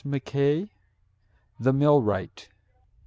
MACKAY, THE MILLWRIGHT.